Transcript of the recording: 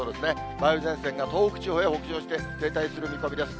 梅雨前線が東北地方へ北上して停滞する見込みです。